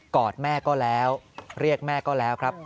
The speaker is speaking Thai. อดแม่ก็แล้วเรียกแม่ก็แล้วครับ